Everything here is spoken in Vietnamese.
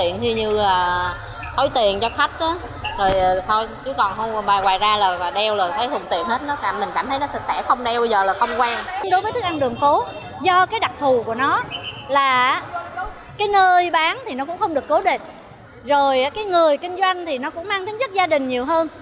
nói về nơi bán thì nó cũng không được cố định người kinh doanh cũng mang thính chất gia đình nhiều hơn